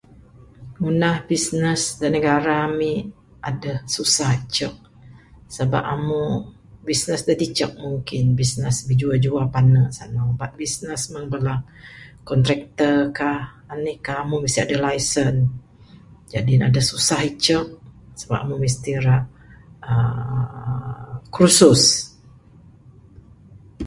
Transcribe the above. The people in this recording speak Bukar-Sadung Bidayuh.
Ngundah bisness da negara amik aduh susah icuk. Sebab amuk, bisness da icuk, mungkin bisness bijuwa juwa panu'. Pak bisness mung bala kontrakter kah, anih kah, amuk mesti aduh licence, Jadi ne aduh susah icuk sebab amuk mesti ira uhh kursus.